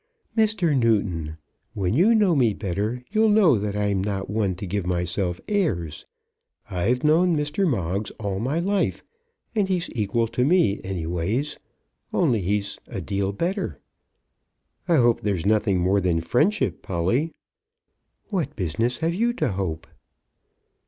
"Mr. Newton, when you know me better, you'll know that I'm not one to give myself airs. I've known Mr. Moggs all my life, and he's equal to me, anyways, only he's a deal better." "I hope there's nothing more than friendship, Polly." "What business have you to hope?"